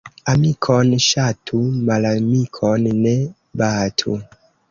Amikon ŝatu, malamikon ne batu.